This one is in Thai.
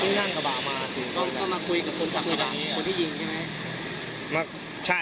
ต้องนั่งกระบางมาต้องมาคุยกับคนที่ยิงใช่ไหม